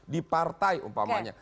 di partai umpamanya